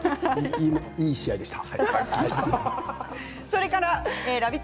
いい試合でした。